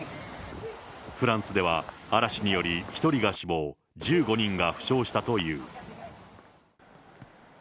フランスでは嵐により１人が死亡、１５人が負傷したという。